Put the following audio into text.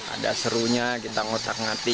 ada serunya kita ngotak ngati